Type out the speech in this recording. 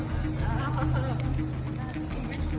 สังวนอะไรไหมคะ